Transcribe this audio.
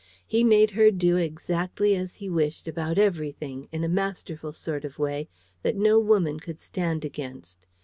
He made her do exactly as he wished about everything, in a masterful sort of way, that no woman could stand against.